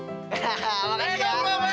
hahaha makasih ya